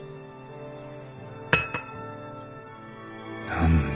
何だ？